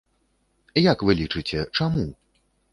Як вы лічыце, чаму?